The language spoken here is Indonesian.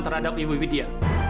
terhadap ibu widya